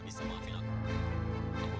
dia sudah menyesal makanya